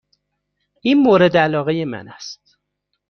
این مورد علاقه من است.